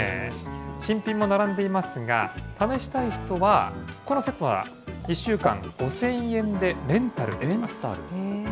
新品も並んでいますが、試したい人は、このセットは１週間５０００円でレンタルできます。